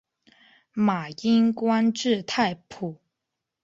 马英官至太仆。